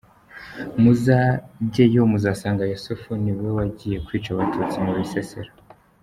Muzajye yo muzasanga Yusufu ni we wagiye kwica Abatutsi mu Bisesero.”